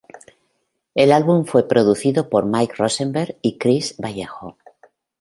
El álbum fue producido por Mike Rosenberg y Chris Vallejo.